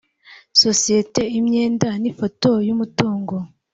sosiyete imyenda n ifoto y umutungo